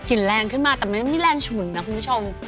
แรงขึ้นมาแต่มันไม่มีแรงฉุนนะคุณผู้ชม